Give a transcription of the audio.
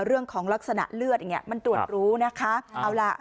เรื่องของลักษณะเลือดอย่างเงี้มันตรวจรู้นะคะเอาล่ะ